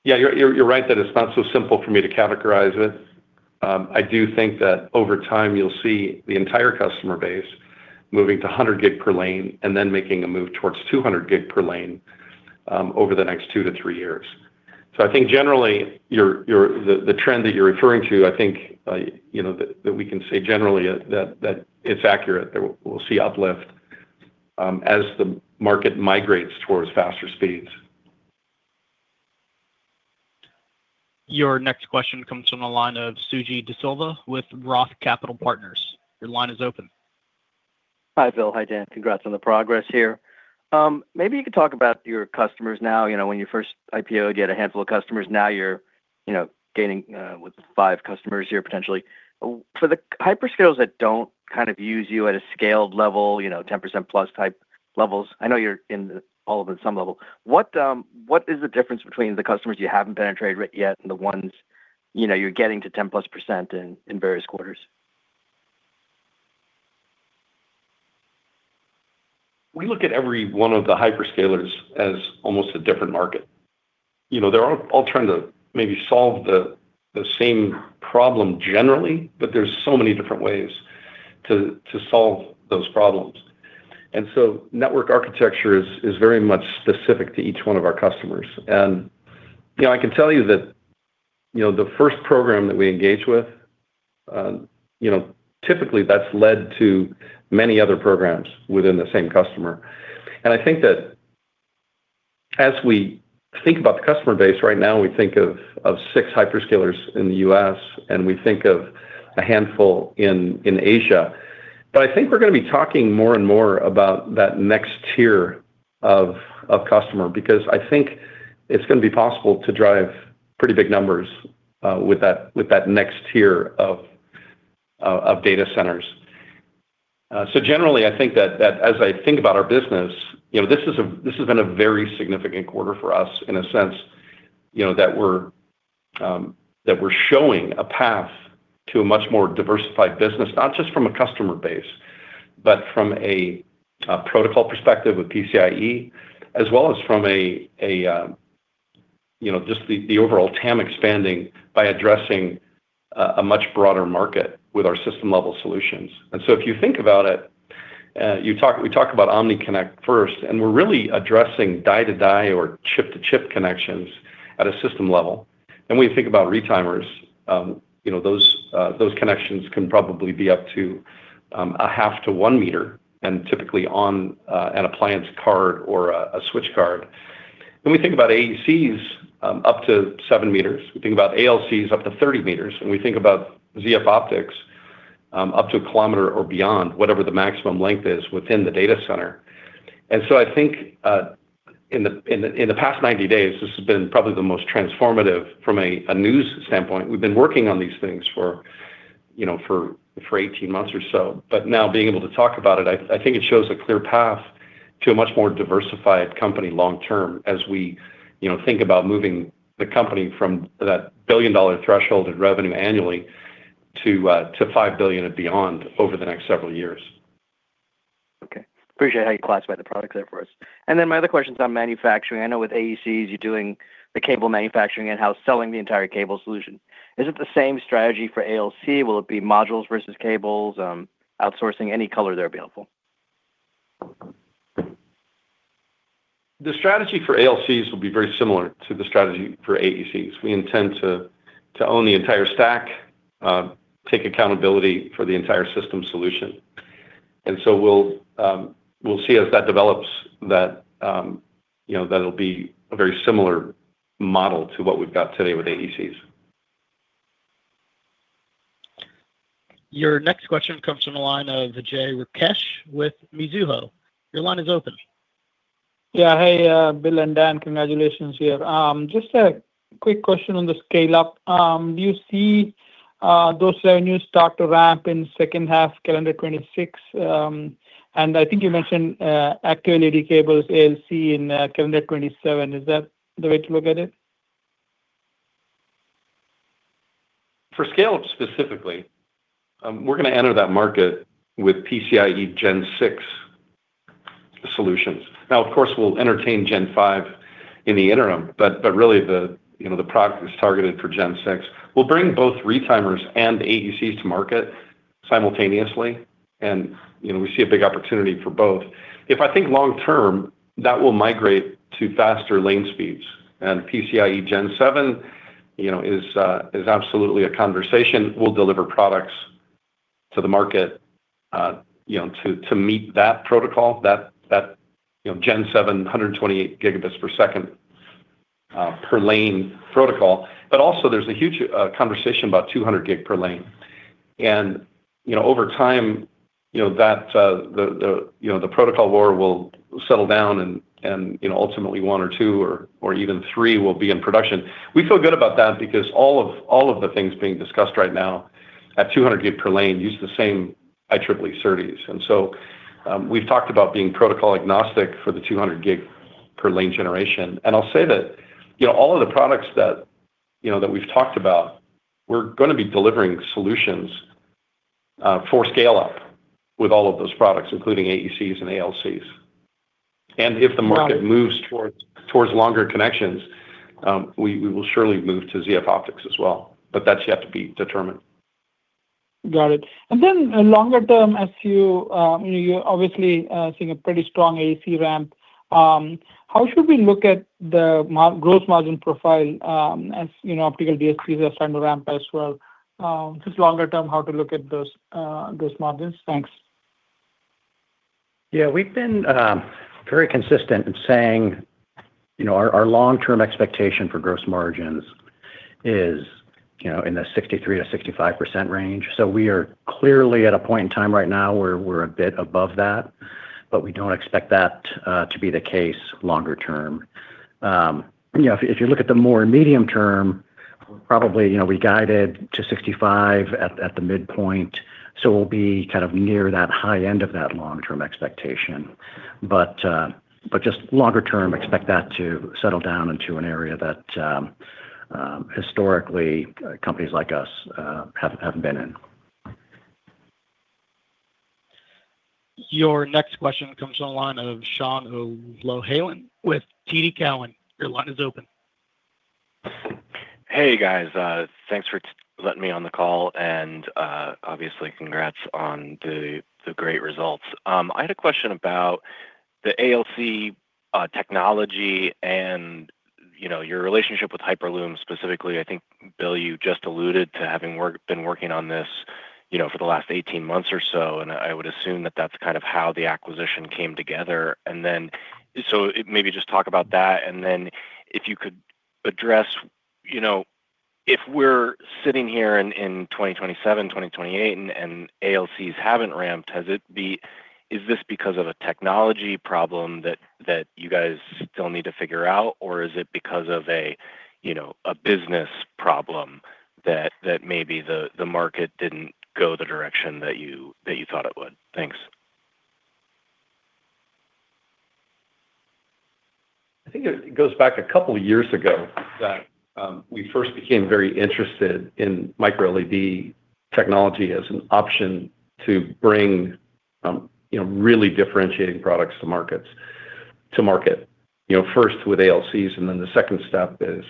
Yeah, you're right that it's not so simple for me to categorize it. I do think that over time you'll see the entire customer base moving to 100 gig per lane and then making a move towards 200 gig per lane over the next two to three years. I think generally the trend that you're referring to, I think that we can say generally that it's accurate. We'll see uplift as the market migrates towards faster speeds. Your next question comes from the line of Suji Desilva with Roth Capital Partners. Your line is open. Hi, Bill. Hi Dan. Congrats on the progress here. Maybe you could talk about your customers now. When you first IPO, you had a handful of customers. Now you're gaining with five customers here potentially. For the hyperscalers that do not kind of use you at a scaled level, 10% plus type levels, I know you're all of them some level. What is the difference between the customers you have not penetrated yet and the ones you're getting to 10% plus in various quarters? We look at every one of the hyperscalers as almost a different market. They are all trying to maybe solve the same problem generally, but there are so many different ways to solve those problems. Network architecture is very much specific to each one of our customers. I can tell you that the first program that we engage with, typically that has led to many other programs within the same customer. I think that as we think about the customer base right now, we think of six hyperscalers in the U.S., and we think of a handful in Asia. I think we're going to be talking more and more about that next tier of customer because I think it's going to be possible to drive pretty big numbers with that next tier of data centers. Generally, I think that as I think about our business, this has been a very significant quarter for us in a sense that we're showing a path to a much more diversified business, not just from a customer base, but from a protocol perspective of PCIe, as well as from just the overall TAM expanding by addressing a much broader market with our system-level solutions. If you think about it, we talk about OmniConnect first, and we're really addressing die-to-die or chip-to-chip connections at a system level. When you think about retimers, those connections can probably be up to a half to 1 meter and typically on an appliance card or a switch card. When we think about AECs, up to 7 meters. We think about ALCs, up to 30 meters. We think about ZF Optics, up to 1 kilometer or beyond, whatever the maximum length is within the data center. I think in the past 90 days, this has been probably the most transformative from a news standpoint. We've been working on these things for 18 months or so, but now being able to talk about it, I think it shows a clear path to a much more diversified company long term as we think about moving the company from that billion-dollar threshold of revenue annually to $5 billion and beyond over the next several years. Okay. Appreciate how you classify the products there for us. My other question is on manufacturing. I know with AECs, you're doing the cable manufacturing in house selling the entire cable solution. Is it the same strategy for ALC? Will it be modules versus cables, outsourcing any color there available? The strategy for ALCs will be very similar to the strategy for AECs. We intend to own the entire stack, take accountability for the entire system solution. We'll see as that develops that it'll be a very similar model to what we've got today with AECs. Your next question comes from the line of Jay Rakesh with Mizuho. Your line is open. Yeah. Hey, Bill and Dan, congratulations here. Just a quick question on the scale-up. Do you see those revenues start to ramp in second half, calendar 2026? And I think you mentioned Active LED cables, ALC in calendar 2027. Is that the way to look at it? For scale-up specifically, we're going to enter that market with PCIe Gen 6 solutions. Now, of course, we'll entertain Gen 5 in the interim, but really the product is targeted for Gen 6. We'll bring both retimers and AECs to market simultaneously, and we see a big opportunity for both. If I think long term, that will migrate to faster lane speeds. PCIe Gen 7 is absolutely a conversation. We'll deliver products to the market to meet that protocol, that Gen 7 128 gigabits per second per lane protocol. There is also a huge conversation about 200 gig per lane. Over time, the protocol war will settle down, and ultimately one or two or even three will be in production. We feel good about that because all of the things being discussed right now at 200 gig per lane use the same IEEE SerDes. We've talked about being protocol agnostic for the 200 gig per lane generation. I'll say that all of the products that we've talked about, we're going to be delivering solutions for scale-up with all of those products, including AECs and ALCs. If the market moves towards longer connections, we will surely move to ZF Optics as well, but that's yet to be determined. Got it. Then longer term, as you obviously see a pretty strong AEC ramp, how should we look at the gross margin profile as optical DSPs are starting to ramp as well? Just longer term, how to look at those margins? Thanks. Yeah. We've been very consistent in saying our long-term expectation for gross margins is in the 63%-65% range. We are clearly at a point in time right now where we're a bit above that, but we don't expect that to be the case longer term. If you look at the more medium term, probably we guided to 65% at the midpoint. We'll be kind of near that high end of that long-term expectation. Just longer term, expect that to settle down into an area that historically companies like us have not been in. Your next question comes from the line of Sean O'Lohan with TD Cowen. Your line is open. Hey, guys. Thanks for letting me on the call and obviously congrats on the great results. I had a question about the ALC technology and your relationship with Hyperloom specifically. I think, Bill, you just alluded to having been working on this for the last 18 months or so, and I would assume that is kind of how the acquisition came together. Maybe just talk about that. If you could address if we're sitting here in 2027, 2028, and ALCs haven't ramped, is this because of a technology problem that you guys still need to figure out, or is it because of a business problem that maybe the market didn't go the direction that you thought it would? Thanks. I think it goes back a couple of years ago that we first became very interested in micro-LED technology as an option to bring really differentiating products to market. First with ALCs, and then the second step is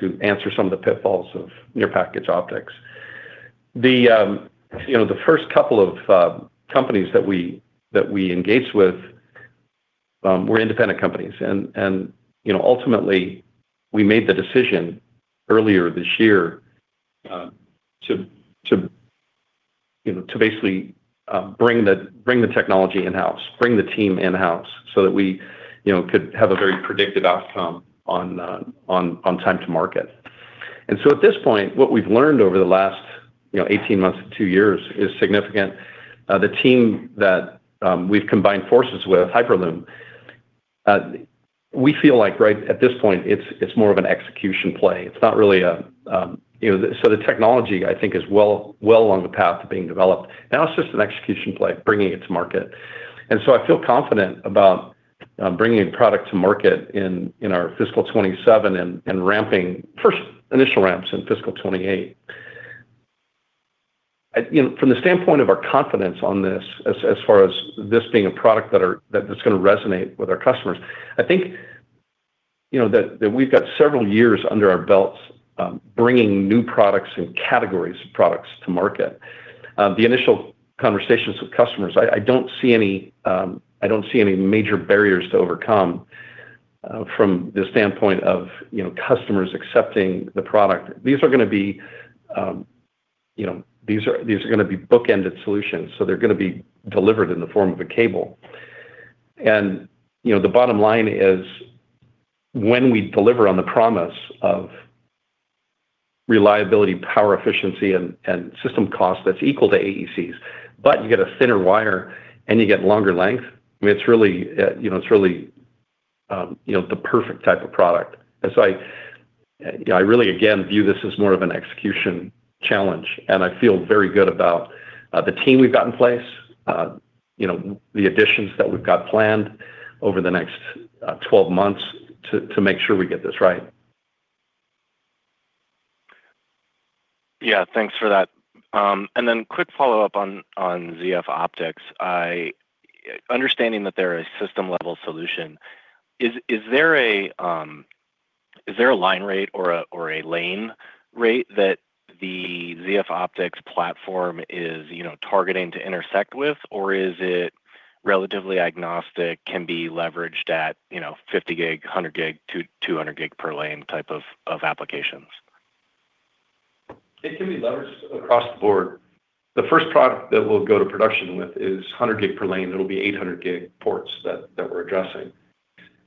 to answer some of the pitfalls of near-package optics. The first couple of companies that we engaged with were independent companies. Ultimately, we made the decision earlier this year to basically bring the technology in-house, bring the team in-house so that we could have a very predictive outcome on time to market. At this point, what we've learned over the last 18 months to two years is significant. The team that we've combined forces with, Hyperloom, we feel like right at this point, it's more of an execution play. It's not really a, so the technology, I think, is well along the path of being developed. Now it's just an execution play bringing it to market. I feel confident about bringing product to market in our fiscal 2027 and ramping first initial ramps in fiscal 2028. From the standpoint of our confidence on this, as far as this being a product that's going to resonate with our customers, I think that we've got several years under our belts bringing new products and categories of products to market. The initial conversations with customers, I don't see any major barriers to overcome from the standpoint of customers accepting the product. These are going to be bookended solutions. They are going to be delivered in the form of a cable. The bottom line is when we deliver on the promise of reliability, power efficiency, and system cost that's equal to AECs, but you get a thinner wire and you get longer length, I mean, it's really the perfect type of product. I really, again, view this as more of an execution challenge. I feel very good about the team we've got in place, the additions that we've got planned over the next 12 months to make sure we get this right. Yeah. Thanks for that. Quick follow-up on ZF Optics. Understanding that they're a system-level solution, is there a line rate or a lane rate that the ZF Optics platform is targeting to intersect with, or is it relatively agnostic, can be leveraged at 50 gig, 100 gig, 200 gig per lane type of applications? It can be leveraged across the board. The first product that we'll go to production with is 100 gig per lane. It'll be 800 gig ports that we're addressing.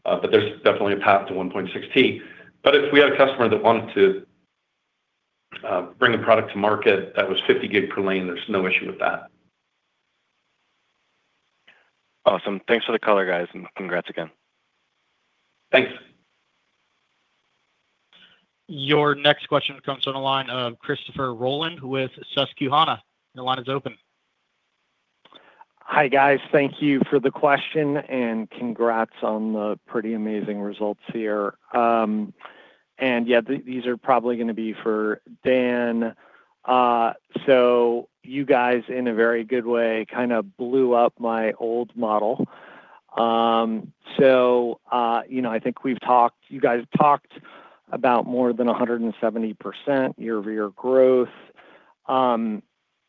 There is definitely a path to 1.6T. If we had a customer that wanted to bring a product to market that was 50 gig per lane, there's no issue with that. Awesome. Thanks for the color, guys. Congrats again. Thanks. Your next question comes from the line of Christopher Roland with Susquehanna. The line is open. Hi, guys. Thank you for the question and congrats on the pretty amazing results here. Yeah, these are probably going to be for Dan. You guys, in a very good way, kind of blew up my old model. I think you guys talked about more than 170% year-over-year growth.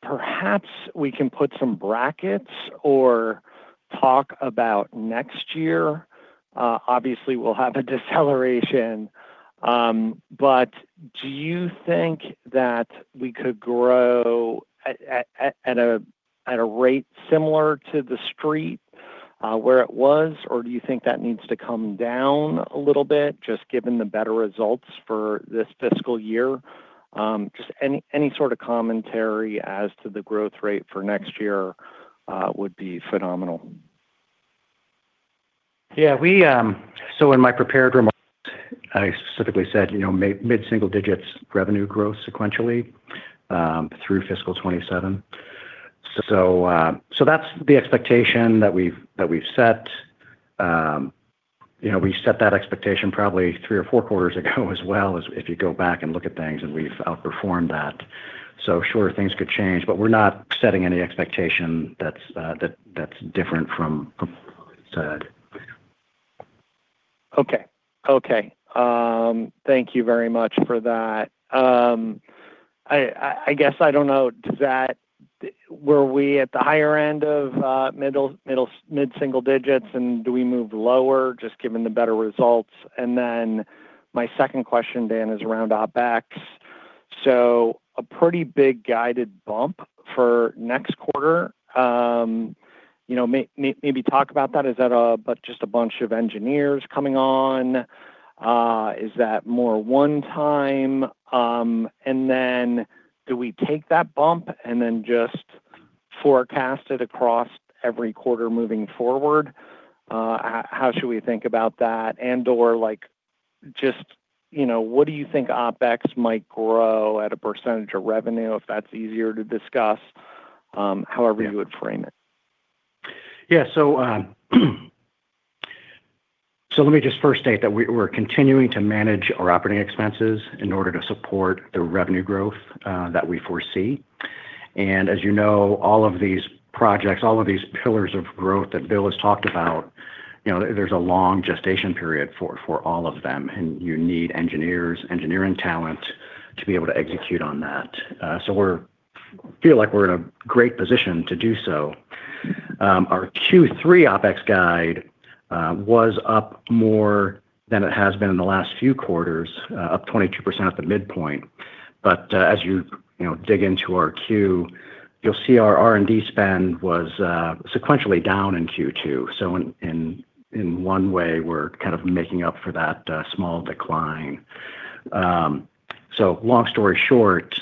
Perhaps we can put some brackets or talk about next year. Obviously, we'll have a deceleration. Do you think that we could grow at a rate similar to the street where it was, or do you think that needs to come down a little bit just given the better results for this fiscal year? Any sort of commentary as to the growth rate for next year would be phenomenal. In my prepared remarks, I specifically said mid-single digits revenue growth sequentially through fiscal 2027. That is the expectation that we've set. We set that expectation probably three or four quarters ago as well. If you go back and look at things, we've outperformed that. Sure, things could change, but we're not setting any expectation that's different from said. Okay. Thank you very much for that. I guess I don't know. Were we at the higher end of mid-single digits, and do we move lower just given the better results? My second question, Dan, is around OPEX. A pretty big guided bump for next quarter. Maybe talk about that. Is that just a bunch of engineers coming on? Is that more one-time? Do we take that bump and then just forecast it across every quarter moving forward? How should we think about that? Or just what do you think OPEX might grow at as a percentage of revenue if that's easier to discuss, however you would frame it? Yeah. Let me just first state that we're continuing to manage our operating expenses in order to support the revenue growth that we foresee. As you know, all of these projects, all of these pillars of growth that Bill has talked about, there's a long gestation period for all of them, and you need engineers, engineering talent to be able to execute on that. We feel like we're in a great position to do so. Our Q3 OPEX guide was up more than it has been in the last few quarters, up 22% at the midpoint. As you dig into our Q, you'll see our R&D spend was sequentially down in Q2. In one way, we're kind of making up for that small decline. Long story short,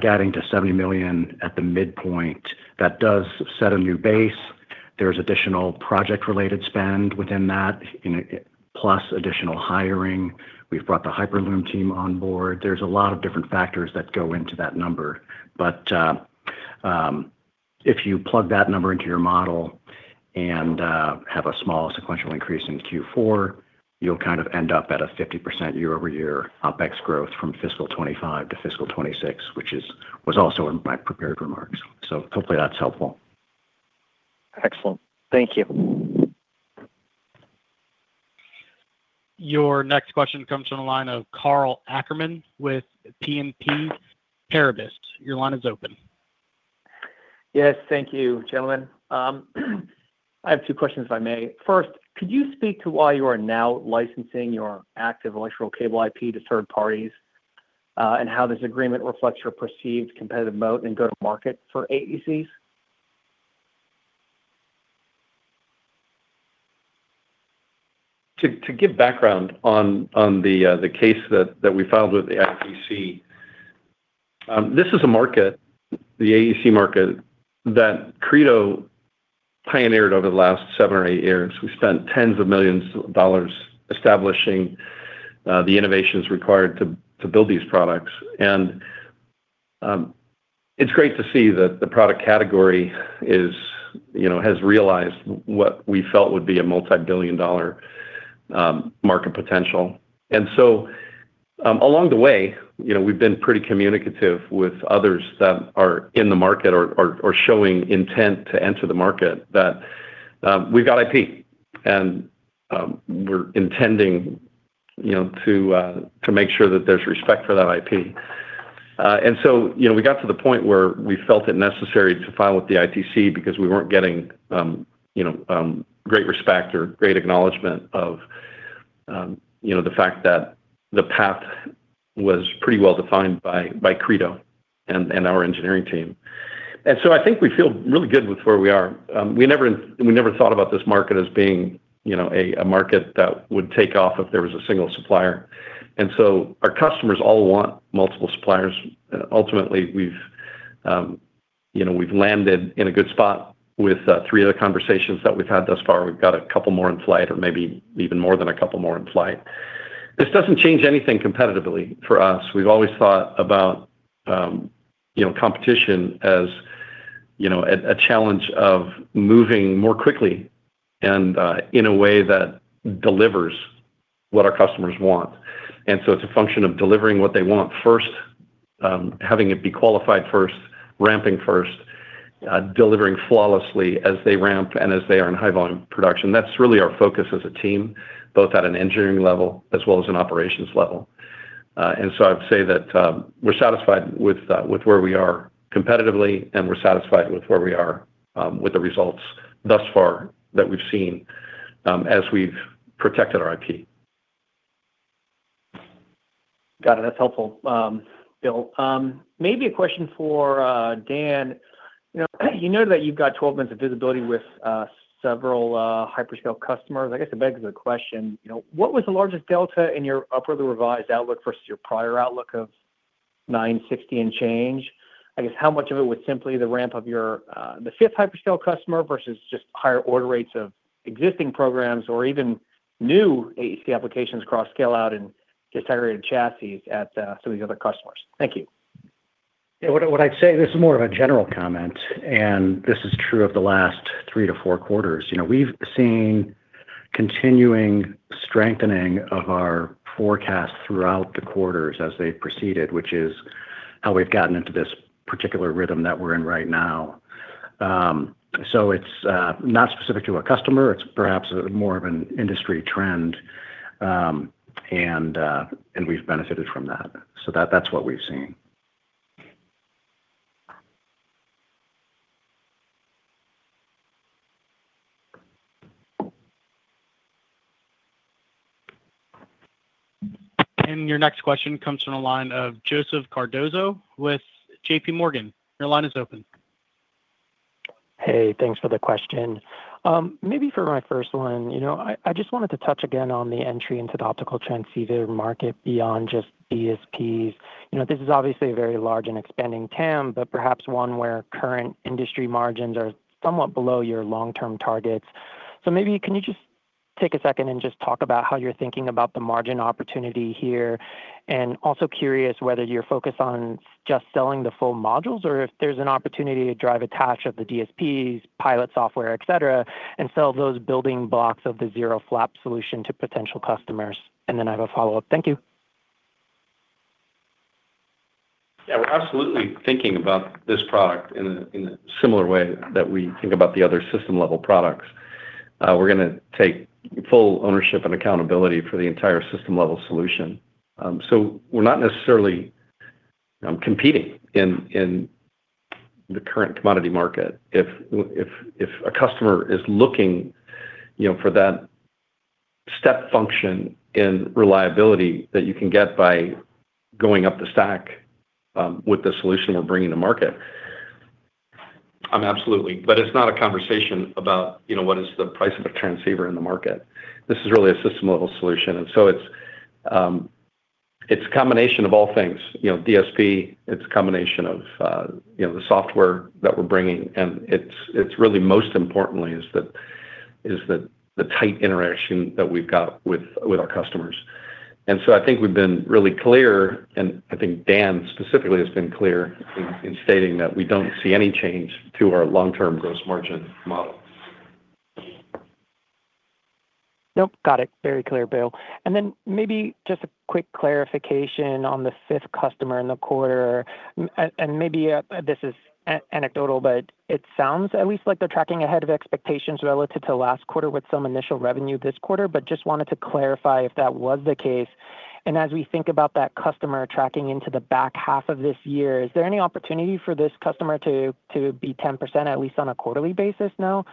getting to $70 million at the midpoint, that does set a new base. There's additional project-related spend within that, plus additional hiring. We've brought the Hyperloom team on board. There's a lot of different factors that go into that number. If you plug that number into your model and have a small sequential increase in Q4, you'll kind of end up at a 50% year-over-year OPEX growth from fiscal 2025 to fiscal 2026, which was also in my prepared remarks. Hopefully that's helpful. Excellent. Thank you. Your next question comes from the line of Carl Ackerman with TNP Paribus. Your line is open. Yes. Thank you, gentlemen. I have two questions, if I may. First, could you speak to why you are now licensing your active electrical cable IP to third parties and how this agreement reflects your perceived competitive moat and go-to-market for AECs? To give background on the case that we filed with the FEC, this is a market, the AEC market, that Credo pioneered over the last seven or eight years. We spent tens of millions of dollars establishing the innovations required to build these products. It is great to see that the product category has realized what we felt would be a multi-billion dollar market potential. Along the way, we have been pretty communicative with others that are in the market or showing intent to enter the market that we have got IP, and we are intending to make sure that there is respect for that IP. We got to the point where we felt it necessary to file with the ITC because we were not getting great respect or great acknowledgment of the fact that the path was pretty well defined by Credo and our engineering team. I think we feel really good with where we are. We never thought about this market as being a market that would take off if there was a single supplier. Our customers all want multiple suppliers. Ultimately, we've landed in a good spot with three other conversations that we've had thus far. We've got a couple more in flight or maybe even more than a couple more in flight. This does not change anything competitively for us. We've always thought about competition as a challenge of moving more quickly and in a way that delivers what our customers want. It is a function of delivering what they want first, having it be qualified first, ramping first, delivering flawlessly as they ramp and as they are in high-volume production. That is really our focus as a team, both at an engineering level as well as an operations level. I'd say that we're satisfied with where we are competitively, and we're satisfied with where we are with the results thus far that we've seen as we've protected our IP. Got it. That's helpful, Bill. Maybe a question for Dan. You know that you've got 12 months of visibility with several hyperscale customers. I guess it begs the question, what was the largest delta in your upwardly revised outlook versus your prior outlook of $960 and change? I guess how much of it was simply the ramp of the fifth hyperscale customer versus just higher order rates of existing programs or even new AEC applications across scale-out and disintegrated chassis at some of these other customers? Thank you. What I'd say, this is more of a general comment, and this is true of the last three to four quarters. We've seen continuing strengthening of our forecast throughout the quarters as they've proceeded, which is how we've gotten into this particular rhythm that we're in right now. It's not specific to a customer. It's perhaps more of an industry trend, and we've benefited from that. That's what we've seen. Your next question comes from the line of Joseph Cardoso with JPMorgan. Your line is open. Hey, thanks for the question. Maybe for my first one, I just wanted to touch again on the entry into the optical transceiver market beyond just DSPs. This is obviously a very large and expanding TAM, but perhaps one where current industry margins are somewhat below your long-term targets. Maybe can you just take a second and just talk about how you're thinking about the margin opportunity here? Also curious whether you're focused on just selling the full modules or if there's an opportunity to drive attach of the DSPs, pilot software, etc., and sell those building blocks of the zero-flap solution to potential customers. I have a follow-up. Thank you. Yeah. We're absolutely thinking about this product in a similar way that we think about the other system-level products. We're going to take full ownership and accountability for the entire system-level solution. We're not necessarily competing in the current commodity market. If a customer is looking for that step function in reliability that you can get by going up the stack with the solution we're bringing to market, absolutely. It's not a conversation about what is the price of a transceiver in the market. This is really a system-level solution. It's a combination of all things. DSP, it's a combination of the software that we're bringing. It's really, most importantly, the tight interaction that we've got with our customers. I think we've been really clear, and I think Dan specifically has been clear in stating that we don't see any change to our long-term gross margin model. Nope. Got it. Very clear, Bill. Maybe just a quick clarification on the fifth customer in the quarter. Maybe this is anecdotal, but it sounds at least like they're tracking ahead of expectations relative to last quarter with some initial revenue this quarter. Just wanted to clarify if that was the case. As we think about that customer tracking into the back half of this year, is there any opportunity for this customer to be 10% at least on a quarterly basis now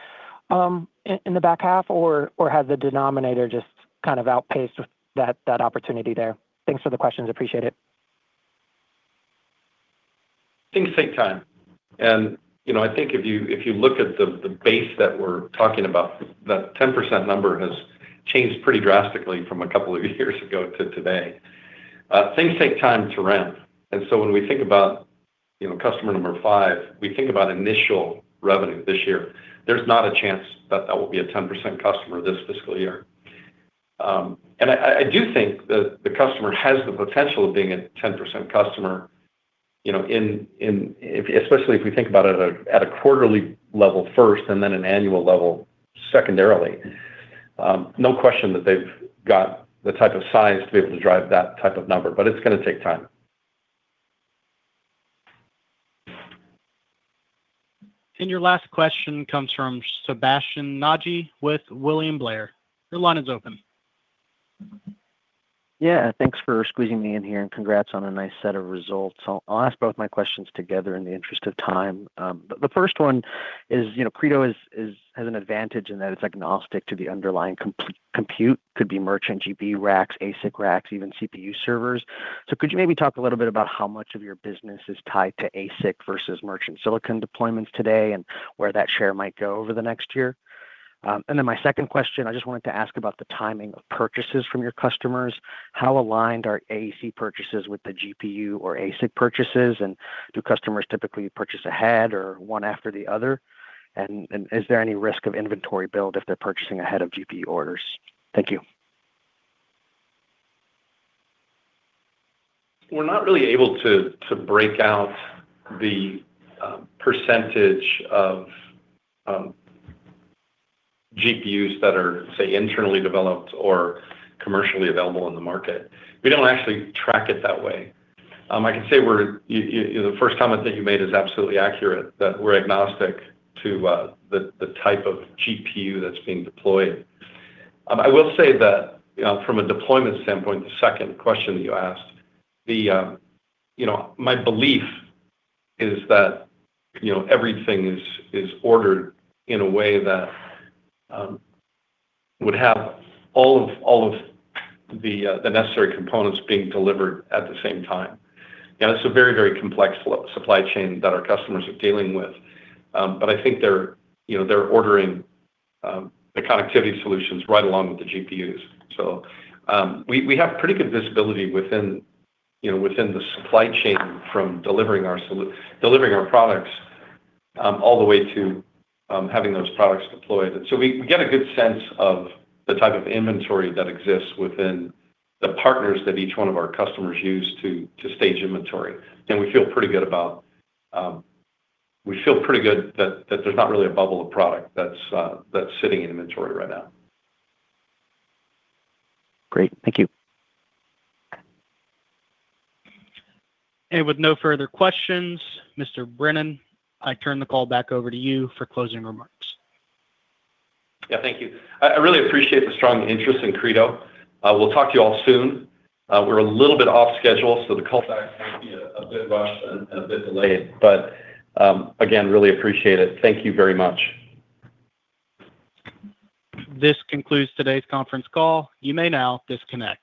in the back half, or has the denominator just kind of outpaced that opportunity there? Thanks for the questions. Appreciate it. Things take time. I think if you look at the base that we're talking about, that 10% number has changed pretty drastically from a couple of years ago to today. Things take time to ramp. When we think about customer number five, we think about initial revenue this year. There's not a chance that that will be a 10% customer this fiscal year. I do think that the customer has the potential of being a 10% customer, especially if we think about it at a quarterly level first and then an annual level secondarily. No question that they've got the type of size to be able to drive that type of number, but it's going to take time. Your last question comes from Sebastian Nagy with William Blair. Your line is open. Yeah. Thanks for squeezing me in here, and congrats on a nice set of results. I'll ask both my questions together in the interest of time. The first one is Credo has an advantage in that it's agnostic to the underlying compute. It could be merchant GPU racks, ASIC racks, even CPU servers. Could you maybe talk a little bit about how much of your business is tied to ASIC versus merchant silicon deployments today and where that share might go over the next year? My second question, I just wanted to ask about the timing of purchases from your customers. How aligned are AEC purchases with the GPU or ASIC purchases? Do customers typically purchase ahead or one after the other? Is there any risk of inventory build if they're purchasing ahead of GPU orders? Thank you. We're not really able to break out the percentage of GPUs that are, say, internally developed or commercially available in the market. We do not actually track it that way. I can say the first comment that you made is absolutely accurate, that we're agnostic to the type of GPU that's being deployed. I will say that from a deployment standpoint, the second question that you asked, my belief is that everything is ordered in a way that would have all of the necessary components being delivered at the same time. It is a very, very complex supply chain that our customers are dealing with. I think they are ordering the connectivity solutions right along with the GPUs. We have pretty good visibility within the supply chain from delivering our products all the way to having those products deployed. We get a good sense of the type of inventory that exists within the partners that each one of our customers use to stage inventory. We feel pretty good that there is not really a bubble of product that is sitting in inventory right now. Great. Thank you. With no further questions, Mr. Thank you. I really appreciate the strong interest in Credo. We'll talk to you all soon. We're a little bit off schedule, so the call. Sorry. A bit rushed and a bit delayed. Again, really appreciate it. Thank you very much. This concludes today's conference call. You may now disconnect.